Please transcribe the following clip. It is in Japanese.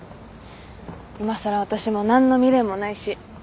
いまさら私も何の未練もないし。